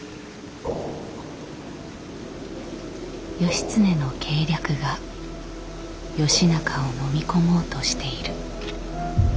義経の計略が義仲をのみ込もうとしている。